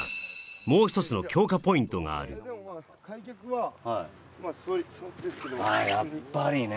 もう一つの強化ポイントがある開脚はあやっぱりね